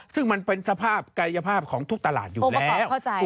ซึ่งมันเป็นสภาพกายภาพของทุกตลาดอยู่แล้ว